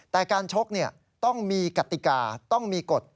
แต่การชกต้องมีกติกาต้องมีกฎ